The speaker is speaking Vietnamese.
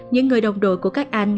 những người đồng đội của các anh